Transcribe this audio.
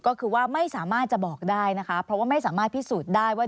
ก็คือว่าไม่สามารถจะบอกได้นะคะเพราะว่าไม่สามารถพิสูจน์ได้ว่า